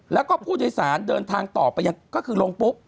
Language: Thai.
แล้วก็ผู้โดยสารเดินทางต่อไปยังก็คือลงปุ๊บ